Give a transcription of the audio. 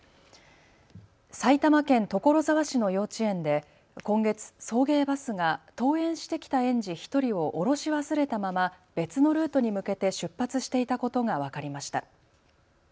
埼玉県所沢市の幼稚園で今月、送迎バスが登園してきた園児１人を降ろし忘れたまま別のルートに向けて出発していたことが分かりました。